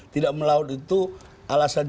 tidak melaut itu alasan